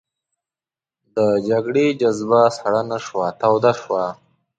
د جګړې جذبه سړه نه شوه توده شوه.